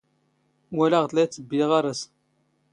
ⵡⴰⵍⴰⵖ ⵜ ⵍⴰ ⵉⵜⵜⴱⴱⵉ ⴰⵖⴰⵔⴰⵙ.